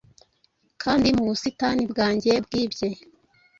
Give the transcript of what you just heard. Kandi mu busitani bwanjye bwibye